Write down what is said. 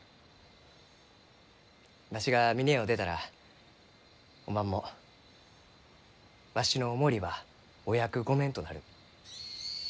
わしが峰屋を出たらおまんもわしのお守りはお役御免となる。